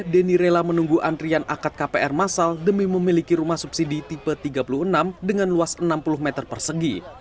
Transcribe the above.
denny rela menunggu antrian akad kpr masal demi memiliki rumah subsidi tipe tiga puluh enam dengan luas enam puluh meter persegi